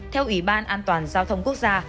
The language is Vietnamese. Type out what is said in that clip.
theo ủy ban an toàn giao thông quốc gia